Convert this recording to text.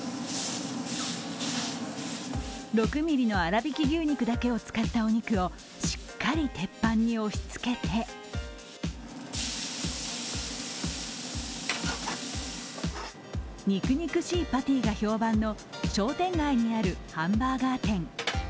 ６ｍｍの粗びき牛肉だけを使ったお肉をしっかり鉄板に押しつけて肉肉しいパティが評判の商店街にあるハンバーガー店。